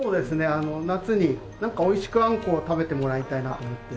あの夏に美味しくあんこを食べてもらいたいなと思って。